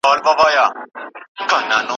دلا مباد رسد روز طالعت به غروب